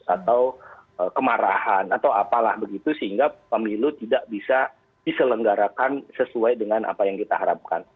atau kemarahan atau apalah begitu sehingga pemilu tidak bisa diselenggarakan sesuai dengan apa yang kita harapkan